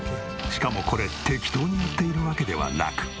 しかもこれ適当にやっているわけではなく。